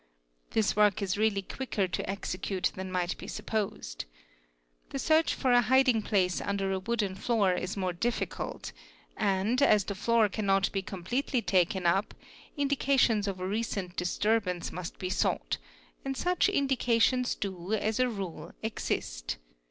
This work is really quicker to execute than might be supposed. 'The search for a hiding place under a B coden floor is more difficult, and, as the floor cannot be completely taken U ap, indications of a recent disturbance must be sought; and such Z idications do, as a rule, exist.